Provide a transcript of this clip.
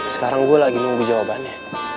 sekarang gue lagi nunggu jawabannya